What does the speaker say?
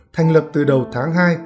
thành lập từ đầu tháng hai